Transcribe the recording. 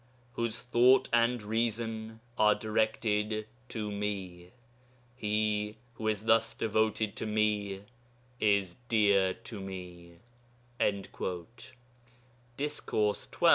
whose thought and reason are directed to Me, he who is [thus] devoted to Me is dear to Me' (Discourse xii.